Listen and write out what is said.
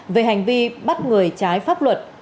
về hành vi bắt người trái pháp luật